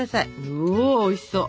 うわおいしそう！